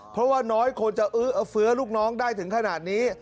เพราะว่าน้อยคนจะอื้อเอาเฟื้อลูกน้องได้ถึงขนาดนี้